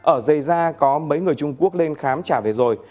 ở dây da có mấy người trung quốc lên khám trả về rồi